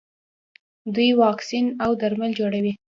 دوی واکسین او درمل جوړوي.